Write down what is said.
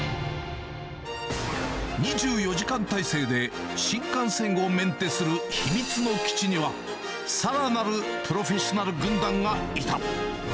２４時間態勢で、新幹線をメンテする秘密の基地には、さらなるプロフェッショナル軍団がいた。